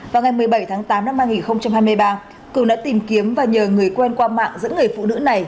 vào ngày một mươi bảy tháng tám năm hai nghìn hai mươi ba cường đã tìm kiếm và nhờ người quen qua mạng dẫn người phụ nữ này